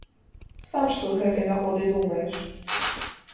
Сам што з гэтай нагоды думаеш?